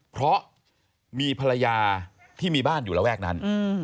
เพราะมีภรรยาที่มีบ้านอยู่ระแวกนั้น